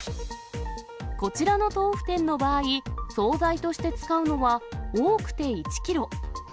こちらの豆腐店の場合、総菜として使うのは多くて１キロ。